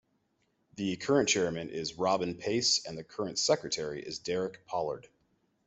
The current chairman is Robin Paice and the current secretary is Derek Pollard.